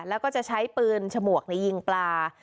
แล้วก็จะใช้ปืนฉมวกในยิงปลา